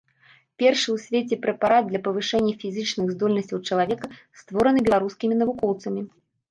Першы ў свеце прэпарат для павышэння фізічных здольнасцяў чалавека створаны беларускімі навукоўцамі.